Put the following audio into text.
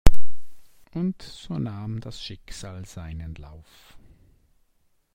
Und so nahm das Schicksal seinen Lauf.